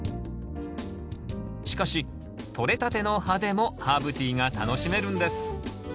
しかしとれたての葉でもハーブティーが楽しめるんです。